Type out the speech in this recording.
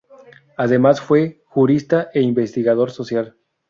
Además fue jurista e investigador social.